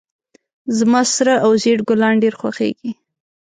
زما سره او زیړ ګلان ډیر خوښیږي